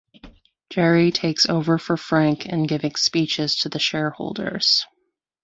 Gerri takes over for Frank in giving speeches to the shareholders.